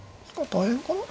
大変かな。